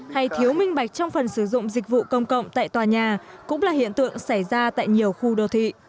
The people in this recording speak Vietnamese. hay thiếu minh bạch trong phần sử dụng dịch vụ công cộng tại tòa nhà cũng là hiện tượng xảy ra tại nhiều khu đô thị